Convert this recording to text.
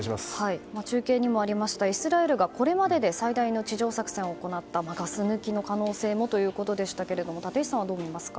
中継にもありましたイスラエルがこれまでで最大の地上作戦を行った、ガス抜きの可能性もということでしたが立石さんはどう見ますか。